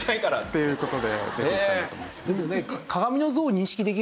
っていう事で出ていったんだと思います。